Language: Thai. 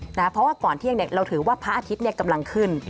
เพราะว่าก่อนเที่ยงเราถือว่าพระอาทิตย์กำลังขึ้น